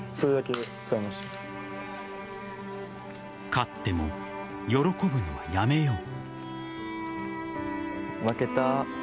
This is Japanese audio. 勝っても喜ぶのはやめよう。